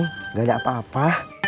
gak ada apa apa